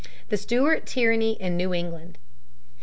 The Stuart Tyranny in New England.